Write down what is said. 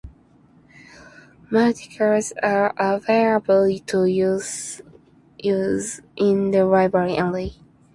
Materials are available to use in the library only.